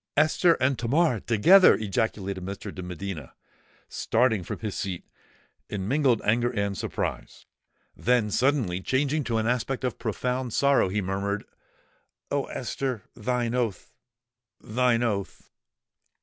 "Esther and Tamar together!" ejaculated Mr. de Medina, starting from his seat, in mingled anger and surprise: then, suddenly changing to an aspect of profound sorrow, he murmured, "Oh! Esther! thine oath—thine oath!"